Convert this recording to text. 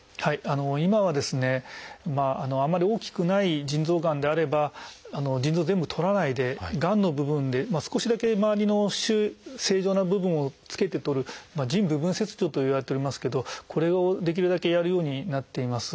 今はですねあんまり大きくない腎臓がんであれば腎臓を全部とらないでがんの部分で少しだけ周りの正常な部分をつけてとる「腎部分切除」といわれておりますけどこれをできるだけやるようになっています。